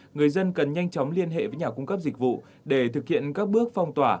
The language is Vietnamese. người dân cần nhanh chóng liên hệ với nhà cung cấp dịch vụ để thực hiện các bước phong tỏa